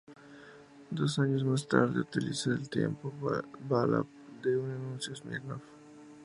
Dos años más tarde utiliza el tiempo bala para un anuncio de Smirnoff.